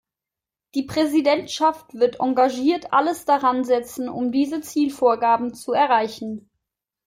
Die Präsidentschaft wird engagiert alles daransetzen, um diese Zielvorgaben zu erreichen.